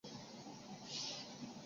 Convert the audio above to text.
统一党是中华民国初年的政党。